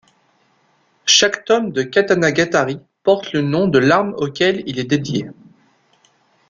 Chaque tome de Katanagatari porte le nom de l'arme auquel il est dédié.